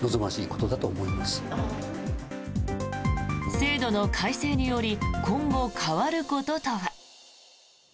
制度の改正により今後変わることとは。